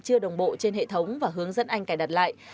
chưa đồng bộ trên hệ thống và hướng dẫn anh cài đặt lại